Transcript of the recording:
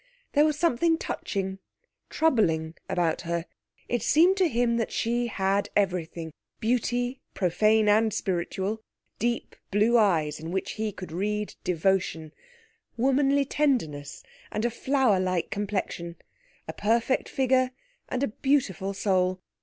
There was something touching, troubling about her. It seemed to him that she had everything: beauty, profane and spiritual; deep blue eyes, in which he could read devotion; womanly tenderness, and a flower like complexion; a perfect figure, and a beautiful soul.